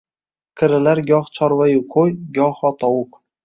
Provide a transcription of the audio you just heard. Qirilar goh chorvayu qoʼy, goho tovuq.